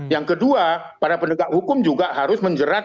yang kedua para penegak hukum juga harus menjerat